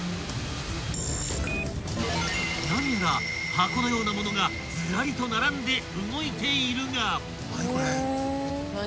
［何やら箱のような物がずらりと並んで動いているが］